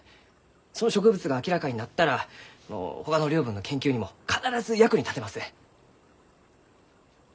その植物が明らかになったらほかの領分の研究にも必ず役に立てます。